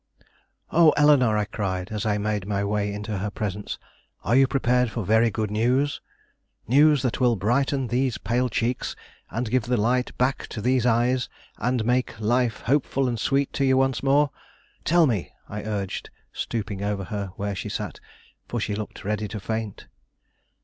"Oh, Eleanore!" I cried, as I made my way into her presence, "are you prepared for very good news? News that will brighten these pale cheeks and give the light back to these eyes, and make life hopeful and sweet to you once more? Tell me," I urged, stooping over her where she sat, for she looked ready to faint.